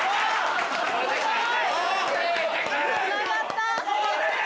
つながった。